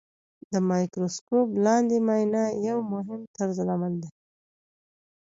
د مایکروسکوپ لاندې معاینه یو مهم طرزالعمل دی.